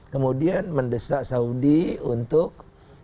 kemudian mendesak saudi untuk